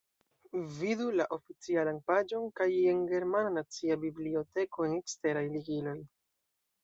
Vidu la oficialan paĝon kaj en Germana Nacia Biblioteko en eksteraj ligiloj.